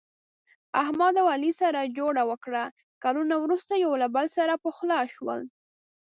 احمد او علي سره جوړه وکړه، کلونه ورسته یو له بل سره پخلا شول.